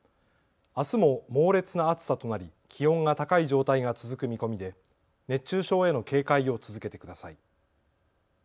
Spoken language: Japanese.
あすも猛烈な暑さとなり気温が高い状態が続く見込みで熱中症への警戒を続けてください。